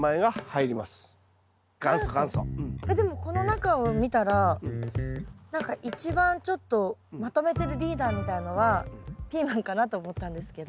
えっでもこの中を見たら何か一番ちょっとまとめてるリーダーみたいのはピーマンかなと思ったんですけど。